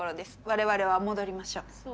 我々は戻りましょう。